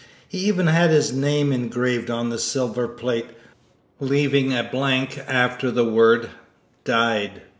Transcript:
He even had his name engraved on the silver plate, leaving a blank after the word "Died."